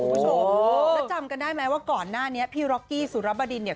โอ้โหซะจำกันได้ไหมว่าก่อนหน้านี้พี่รกกี้สุรบดินเนี่ย